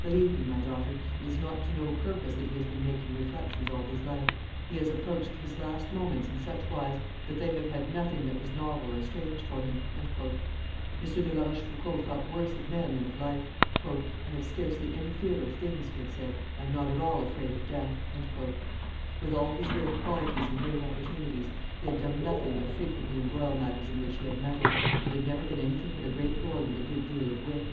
Believe me, my daughter, it is not to no purpose that he has been making reflections all his life; he has approached his last moments in such wise that they have had nothing that was novel or strange for him." M. de La Rochefoucauld thought worse of men than of life. "I have scarcely any fear of things," he had said; "I am not at all afraid of death." With all his rare qualities and great opportunities he had done nothing but frequently embroil matters in which he had meddled, and had never been anything but a great lord with a good deal of wit.